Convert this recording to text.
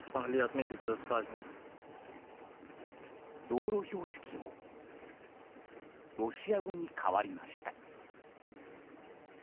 道路標識もロシア語に変わりました。